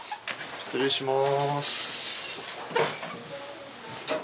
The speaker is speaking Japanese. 失礼します